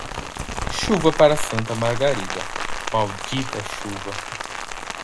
Chuva para Santa Margarida, maldita chuva.